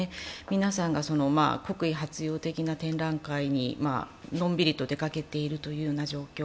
皆さんが国威発揚的な展覧会にのんびりと出かけているような状況。